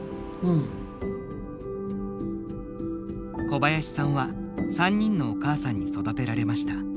小林さんは３人のお母さんに育てられました。